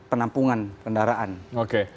penampungan kendaraan oke